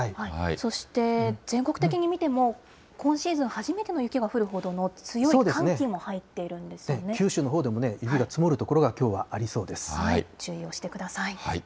そして全国的に見ても、今シーズン初めての雪が降るほどの強九州のほうでもね、雪が積も注意をしてください。